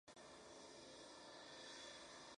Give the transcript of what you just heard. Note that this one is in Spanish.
Fue el máximo anotador y reboteador de su selección.